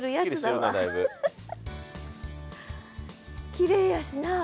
きれいやしなあ。